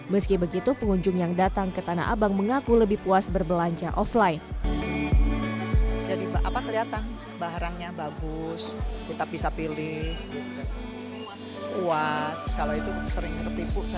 meski begitu pengunjung yang datang ke tanah abang mengaku lebih puas berbelanja offline